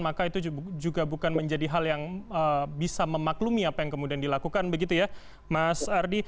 maka itu juga bukan menjadi hal yang bisa memaklumi apa yang kemudian dilakukan begitu ya mas ardi